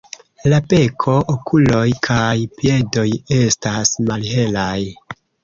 La beko, okuloj kaj piedoj estas malhelaj.